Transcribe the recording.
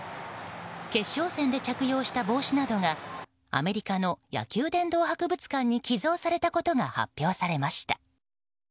決勝戦で着用した帽子などがアメリカの野球殿堂博物館に寄贈されたことが発表されました。